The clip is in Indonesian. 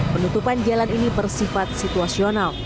penutupan jalan ini bersifat situasional